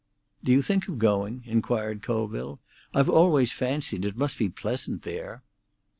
"Do you think of going?" inquired Colville. "I've always fancied it must be pleasant there."